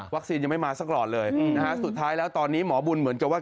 ยังไม่มาสักหลอดเลยนะฮะสุดท้ายแล้วตอนนี้หมอบุญเหมือนกับว่า